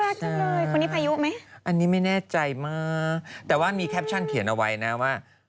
จริงเลยคนนี้พายุไหมอันนี้ไม่แน่ใจมากแต่ว่ามีแคปชั่นเขียนเอาไว้นะว่า